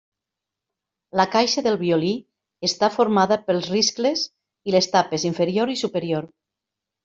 La caixa del violí està formada pels riscles i les tapes inferior i superior.